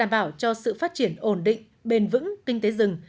phát triển ổn định bền vững kinh tế rừng